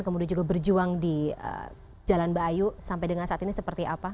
kemudian juga berjuang di jalan bayu sampai dengan saat ini seperti apa